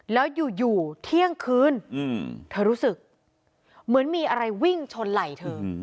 แล้วอยู่เที่ยงคืนเธอรู้สึกเหมือนมีอะไรวิ่งชนไหล่เธอ